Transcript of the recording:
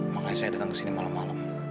makanya saya datang ke sini malam malam